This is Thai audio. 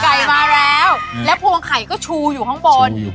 มาแล้วแล้วพวงไข่ก็ชูอยู่ข้างบน